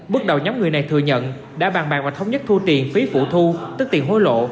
bước đầu nhóm người này thừa nhận đã bàn bạc và thống nhất thu tiền phí phụ thu tức tiền hối lộ